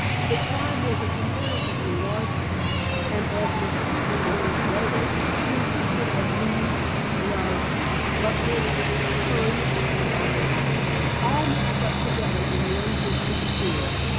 The tribe was a comparatively large one, and as Miss Greeby learned later consisted of Lees, Loves, Bucklands, Hernes, and others, all mixed up together in one gypsy stew.